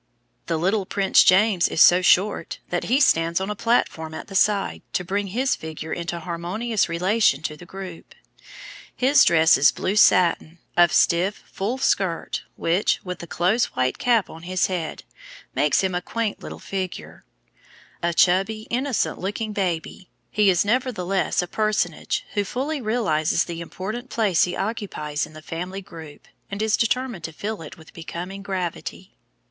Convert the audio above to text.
The little Prince James is so short that he stands on a platform at the side, to bring his figure into harmonious relation to the group. His dress is blue satin, of stiff, full skirt, which, with the close white cap on his head, makes him a quaint little figure. A chubby, innocent looking baby, he is nevertheless a personage who fully realizes the important place he occupies in the family group, and is determined to fill it with becoming gravity.